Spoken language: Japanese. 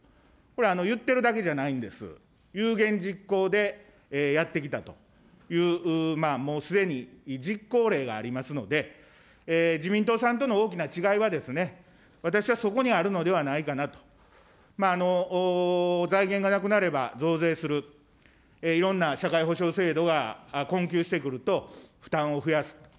これ、言ってるだけじゃないんです、有言実行でやってきたという、もうすでに実行例がありますので、自民党さんとの大きな違いは、私はそこにあるのではないかなと、財源がなくなれば増税する、いろんな社会保障制度が困窮してくると、負担を増やすと。